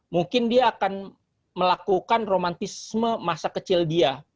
mungkin dia akan melakukan romantisme masa kecil dia